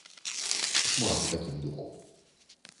Шмат у такім духу.